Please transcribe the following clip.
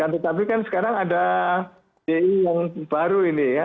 tetapi kan sekarang ada ji yang baru ini ya